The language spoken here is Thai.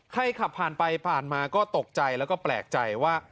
ขับผ่านไปผ่านมาก็ตกใจแล้วก็แปลกใจว่า